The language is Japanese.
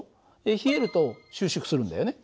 冷えると収縮するんだよね。